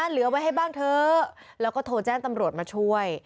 เหลือไว้ให้บ้างเถอะแล้วก็โทรแจ้งตำรวจมาช่วย